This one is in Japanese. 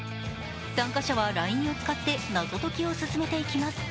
参加者はＬＩＮＥを使って謎解きを進めていきます。